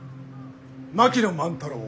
槙野万太郎。